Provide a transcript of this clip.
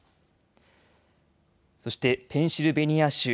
そしてペンシルベニア州。